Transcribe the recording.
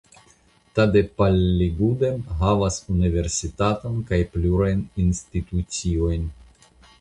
Tadepalligudem havas universitaton kaj plurajn instituciojn.